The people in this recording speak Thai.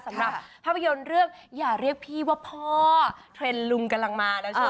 สำหรับภาพยนตร์เรื่องอย่าเรียกพี่ว่าพ่อเทรนด์ลุงกำลังมาแล้วใช่ไหม